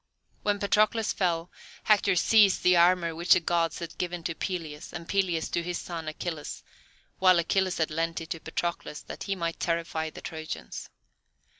When Patroclus fell, Hector seized the armour which the Gods had given to Peleus, and Peleus to his son Achilles, while Achilles had lent it to Patroclus that he might terrify the Trojans.